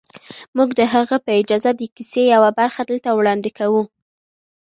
موږ د هغه په اجازه د کیسې یوه برخه دلته وړاندې کوو